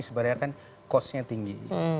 sebenarnya kan cost nya tinggi